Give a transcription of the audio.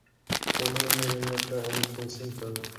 Hon har mera hjärta än principer.